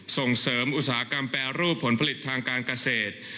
ส่งเสริมอุตสาหกรรมแปรรูปผลผลิตทางการเกษตร